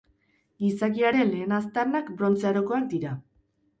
Gizakiaren lehen aztarnak Brontze Arokoak dira.